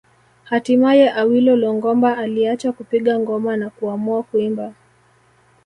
Hatimaye Awilo Longomba aliacha kupiga ngoma na kuamua kuimba